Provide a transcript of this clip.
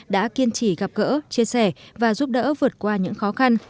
đã kiên trì gặp gỡ chia sẻ và giúp đỡ vượt qua những khó khăn